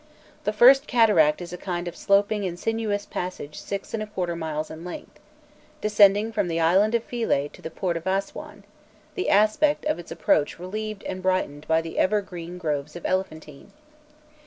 The first cataract is a kind of sloping and sinuous passage six and a quarter miles in length, descending from the island of Philae to the port of Aswan, the aspect of its approach relieved and brightened by the ever green groves of Elephantine.